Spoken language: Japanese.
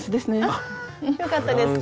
あよかったです。